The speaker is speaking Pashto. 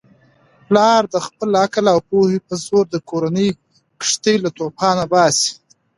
پلارد خپل عقل او پوهې په زور د کورنی کښتۍ له توپانونو باسي.